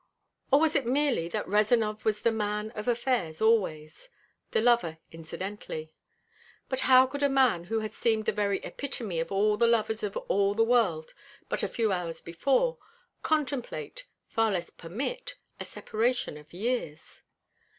Or was it merely that Rezanov was the man of affairs always, the lover incidentally? But how could a man who had seemed the very epitome of all the lovers of all the world but a few hours before, contemplate, far less permit, a separation of years?